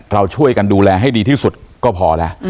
เราช่วยกันดูแลให้ดีที่สุดก็พอแล้ว